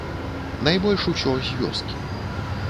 Найбольш усё з вёскі.